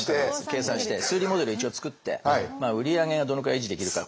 計算して数理モデルを一応作って売り上げがどのくらい維持できるか。